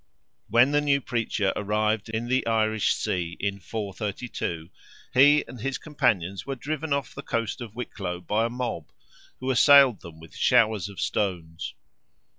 When the new Preacher arrived in the Irish Sea, in 432, he and his companions were driven off the coast of Wicklow by a mob, who assailed them with showers of stones.